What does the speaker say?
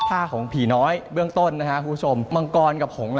ภาพของผีน้อยเบื้องต้นนะครับมังกรกับหงษ์